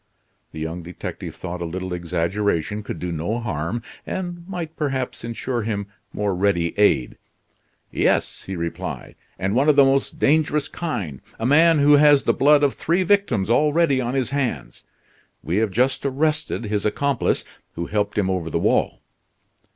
The young detective thought a little exaggeration could do no harm, and might perhaps insure him more ready aid. "Yes," he replied; "and one of the most dangerous kind a man who has the blood of three victims already on his hands. We have just arrested his accomplice, who helped him over the wall."